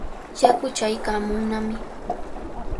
Yaku chaykaamunnami.